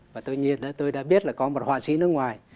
và tôi nhìn đó tôi đã biết là có một họa sĩ nước ngoài